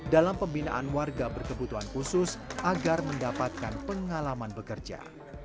dalam pembinaan warga berkebutuhan khusus agar mendapatkan pengalaman bekerja